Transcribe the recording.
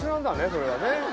それはね。